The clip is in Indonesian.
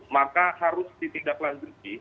maka harus ditindaklanjuti